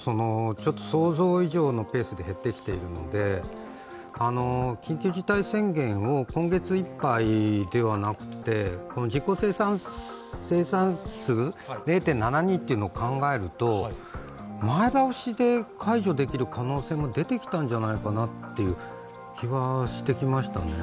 想像以上のペースで減ってきているので緊急事態宣言を今月いっぱいではなくて実効再生産数０．７２を考えると前倒しで解除できる可能性も出てきたんじゃないかなという気はしてきましたね。